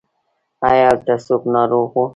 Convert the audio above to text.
ایا هلته څوک ناروغ و؟